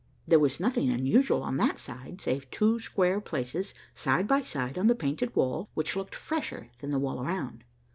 There was nothing unusual on that side, save two square places, side by side on the painted wall, which looked fresher than the wall around.